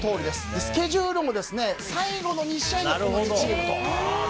スケジュールも最後の２試合でこの２チームと。